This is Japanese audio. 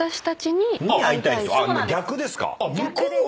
逆ですか。